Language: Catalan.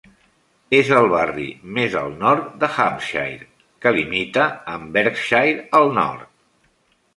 És el barri més al nord de Hampshire, que limita amb Berkshire al nord.